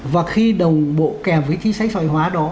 và khi đồng bộ kèm với chính sách sòi hóa đó